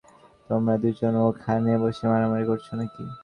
তোমরা দুজন ওখানে বসে মারামারি করছো নাকি?